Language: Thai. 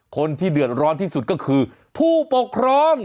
คนที่เดือดร้อนที่สุดก็คือผู้ปกครอง